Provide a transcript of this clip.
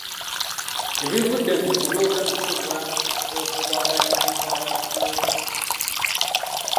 Ebivudde mu kulonda bisobola okuwakanyizibwa mu kkooti.